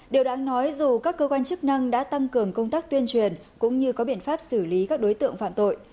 điều đáng nói dù các cơ quan chức năng đã tăng cường công tác tuyên truyền cũng như có biện pháp xử lý các đối tượng phạm tội